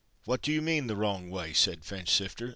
"What do you mean the wrong way?" said Finchsifter.